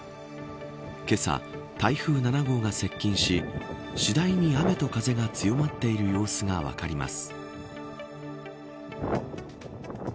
けさ、台風７号が接近し次第に雨と風が強まっている様子が分かります。